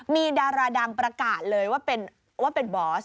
มีดาราดังประกาศเลยว่าเป็นบอส